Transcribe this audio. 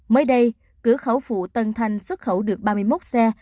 mới đây cửa khẩu phụ tân thanh xuất khẩu được ba mươi một xe